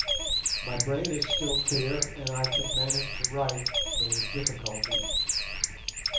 My brain is still clear and I can manage to write, though with difficulty.